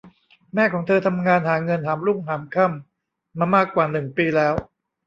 แม่ของเธอทำงานหาเงินหามรุ่งหามค่ำมามากกว่าหนึ่งปีแล้ว